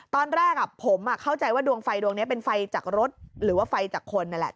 ตอนแรกผมเข้าใจว่าดวงไฟดวงนี้เป็นไฟจากรถหรือว่าไฟจากคนนั่นแหละ